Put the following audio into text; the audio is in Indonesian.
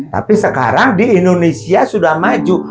tapi sekarang di indonesia sudah maju